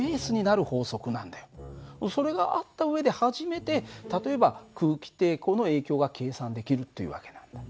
それがあった上で初めて例えば空気抵抗の影響が計算できるという訳なんだ。